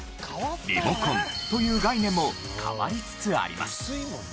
リモコンという概念も変わりつつあります。